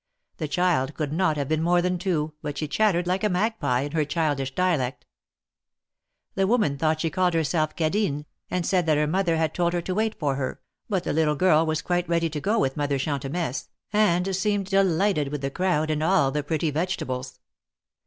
TJie child could not have been more than two, but she chattered like a magpie, in her childish dialect. 184 THE MARKETS OP PARIS. The woman thought she called herself Cadine, and said that her mother had told her to wait for her, but the little girl was quite ready to go with Mother Chantemesse, and seemed delighted with the crowd and all the pretty vege tables.